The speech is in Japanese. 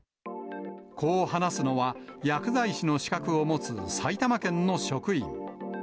こう話すのは、薬剤師の資格を持つ、埼玉県の職員。